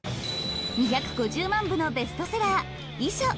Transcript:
２５０万部のベストセラー『遺書』。